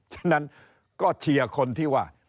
ฉะนั้นก็เชียร์คนที่ว่า